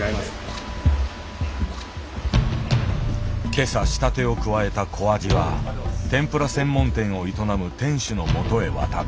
今朝仕立てを加えた小アジは天ぷら専門店を営む店主のもとへ渡った。